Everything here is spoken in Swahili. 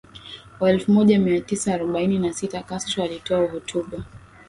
Wa elfu moja mia tisa arobaini na sita Castro alitoa hotuba